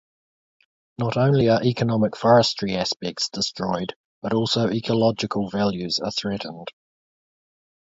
Not only are economic forestry aspects destroyed, but also ecological values are threatened.